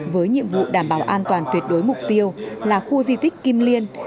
với nhiệm vụ đảm bảo an toàn tuyệt đối mục tiêu là khu di tích kim liên